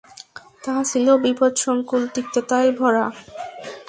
তা ছিল বিপদসংকুল, তিক্ততায় ভরা।